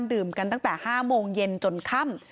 ดื่มกันตั้งแต่๕โมงเย็นจนค่ำ